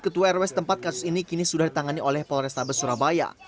ketua rws tempat kasus ini kini sudah ditangani oleh polres saber surabaya